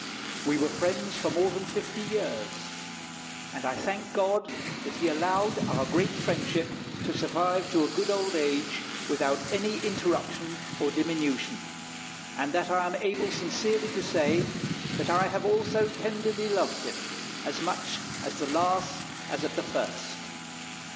We were friends for more than fifty years; and I thank God that he allowed our great friendship to survive to a good old age without any interruption or diminution, and that I am able sincerely to say, that I have also tenderly loved him, as much at the last as at the first.